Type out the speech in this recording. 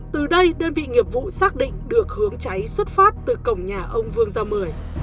từ đây đơn vị nghiệp vụ xác định được hướng cháy xuất phát từ cổng nhà ông vương giao mười